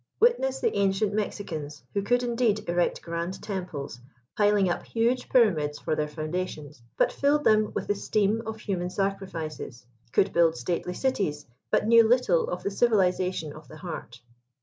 Witness the ancient Mexicans, who could indeed erect grand temples, piling up huge pyramids for their foundations, but filled them with the steam of human sacrifices ; could build stately cities, but knew little of the civilization of the heart.